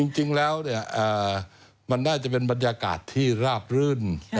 จริงแล้วมันน่าจะเป็นบรรยากาศที่ราบรื่น